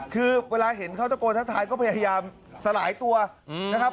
คือเวลาเห็นเขาตะโกนทักทายก็พยายามสลายตัวนะครับ